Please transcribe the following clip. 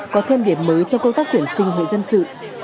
có thêm điểm mới trong công tác tuyển sinh hệ dân sự